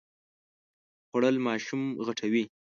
خوړل ماشوم غټوي